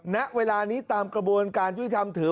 นะเวลานี้ตามกระบวนการช่วยทำถือ